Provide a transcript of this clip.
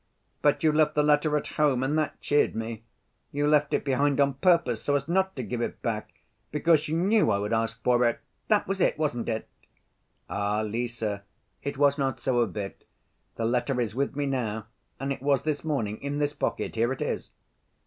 But you left the letter at home and that cheered me. You left it behind on purpose, so as not to give it back, because you knew I would ask for it? That was it, wasn't it?" "Ah, Lise, it was not so a bit. The letter is with me now, and it was this morning, in this pocket. Here it is."